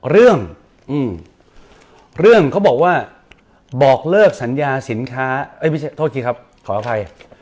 เรื่องเรื่องเขาบอกว่าบอกเลิกสัญญาสินค้าไม่ใช่โทษทีครับขออภัย